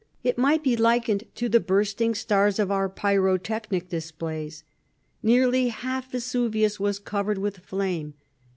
It might be likened to the bursting stars of our pyrotechnic displays. Nearly half Vesuvius was covered with fire.